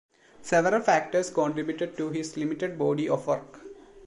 Several factors contributed to his limited body of work.